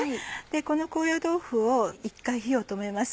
この高野豆腐を一回火を止めます。